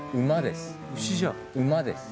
馬です。